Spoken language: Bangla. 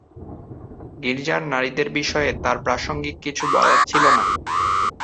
গির্জার নারীদের বিষয়ে তার প্রাসঙ্গিক কিছু বলার ছিল না।